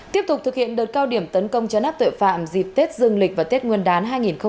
tiếp tục thực hiện đợt cao điểm tấn công chấn áp tội phạm dịp tết dương lịch và tết nguyên đán hai nghìn hai mươi bốn